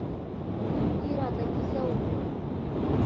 تورکي راته کيسه وکړه.